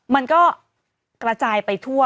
มันก็กระจายไปทั่ว